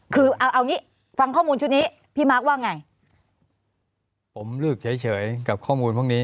คือเอาเอางี้ฟังข้อมูลชุดนี้พี่มาร์คว่าไงผมเลือกเฉยเฉยกับข้อมูลพวกนี้